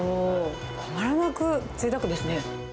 たまらなくぜいたくですね。